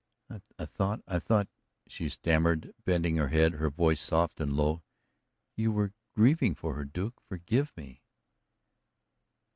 "I thought I thought " she stammered, bending her head, her voice soft and low, "you were grieving for her, Duke. Forgive me."